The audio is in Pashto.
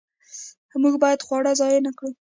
موږ باید خواړه ضایع نه کړو.